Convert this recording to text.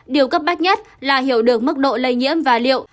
điều cấp bách nhất là hiểu được mức độ lây nhiễm và liệu